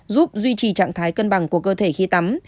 giúp duy trì trạng thái cân bằng của cơ thể khi tắm